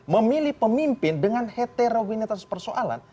memilih pemimpin dengan heterogenitas persoalan